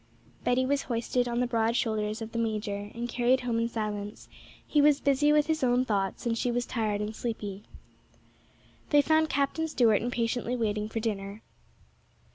Betty was hoisted on the broad shoulders of the major, and carried home in silence; he was busy with his own thoughts, and she was tired and sleepy. They found Captain Stuart impatiently waiting for dinner.